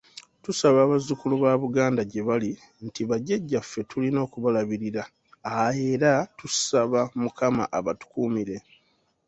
Tusaba abazzukulu ba Buganda gyebali nti bajjaja ffe tulina okubalabirira era tusaba Mukama abatukuumire.